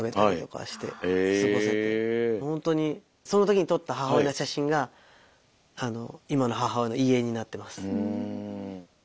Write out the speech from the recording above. ほんとにその時に撮った母親の写真が今の母親の遺影になってます。